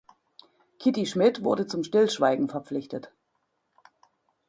Kitty Schmidt wurde zum Stillschweigen verpflichtet.